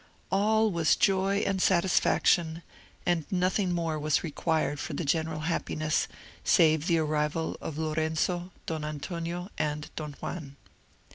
All was joy and satisfaction, and nothing more was required for the general happiness, save the arrival of Lorenzo, Don Antonio, and Don Juan.